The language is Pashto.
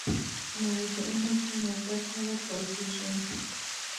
مراجعینو ته نوبت نه ورکول کېږي.